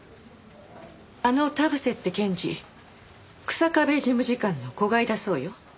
あの田臥って検事日下部事務次官の子飼いだそうよ。